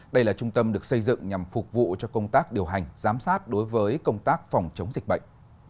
đây là trung tâm được xây dựng nhằm phục vụ cho công tác điều hành giám sát đối với công tác phòng chống dịch bệnh